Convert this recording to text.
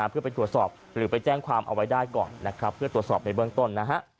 เพื่อไปตรวจสอบหรือไปแจ้งความเอาไว้ได้ก่อนนะครับเพื่อตรวจสอบในเบื้องต้นนะฮะ